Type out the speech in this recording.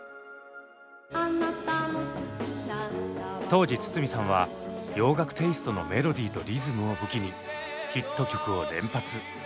当時筒美さんは洋楽テーストのメロディーとリズムを武器にヒット曲を連発。